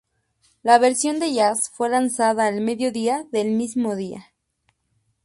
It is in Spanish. La versión de jazz fue lanzada al mediodía del mismo día.